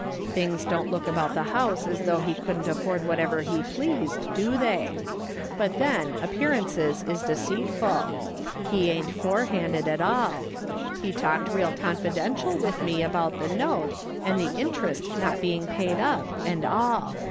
Things don't look about the house as though he couldn't afford what ever he pleased, do they ?" But then appearances is deceitful ; he ain't fore handed at all. He talked real confidential with me about the note, and the interest not being paid up, and all.